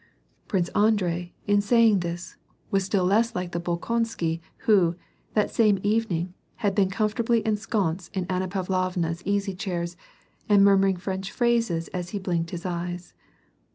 Prince Andrei, in saying this, was still less like the Bolkon sky who, that same evening, had been comfortably ensconced in Anna Pavlovna's easy chairs, and murmuring French phrases as he blinked his eyes.